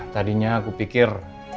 tadinya aku pikir